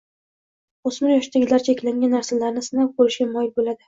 O‘smir yoshdagilar cheklangan narsalarni sinab ko‘rishga moyil bo‘ladi.